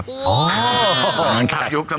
ผมจะมีรูปภาพของพระพิสุนุกรรม